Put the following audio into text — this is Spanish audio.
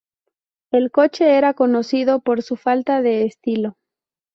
El coche era conocido por su falta de estilo.